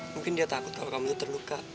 mungkin dia takut kalau kamu itu terluka